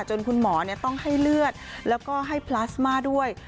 คุณหมอต้องให้เลือดแล้วก็ให้พลาสมาด้วย